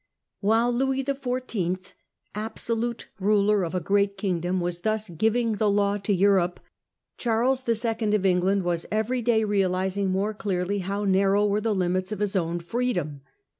While Louis XIV., absolute ruler of a great kingdom, was thus giving the law to Europe, Charles 1 1. of England was every day realising more clearly how narrow were the limits of his own freedom.